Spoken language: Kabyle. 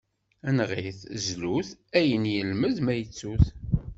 Neɣ-it, zlu-t, ayen ilmed, ma ittu-t.